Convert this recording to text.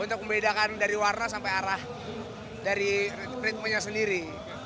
untuk membedakan dari warna sampai arah dari ritmenya sendiri